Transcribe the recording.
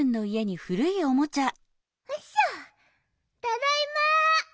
ただいま。